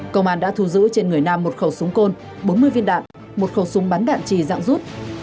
công an đã thu giữ trên người nam một khẩu súng côn bốn mươi viên đạn một khẩu súng bắn đạn trì dạng rút